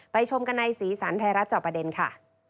ชมกันในสีสันไทยรัฐจอบประเด็นค่ะ